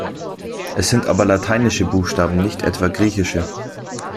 Es sind aber lateinische Buchstaben, nicht etwa griechische.